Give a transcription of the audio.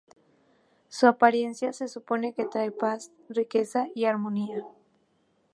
Su apariencia se supone que trae paz, riqueza y armonía.